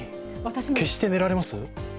消して寝られます？